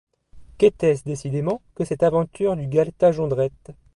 Qu’était-ce décidément que cette aventure du galetas Jondrette?